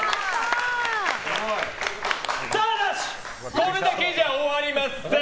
これだけじゃ終わりません！